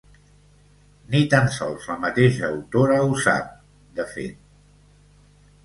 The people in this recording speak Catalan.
Ni tan sols la mateixa autora ho sap, de fet.